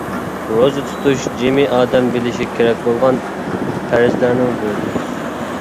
روزا تۇتۇش جىمى ئادەم بىلىشى كېرەك بولغان پەرزلەرنىڭ بىرىدۇر.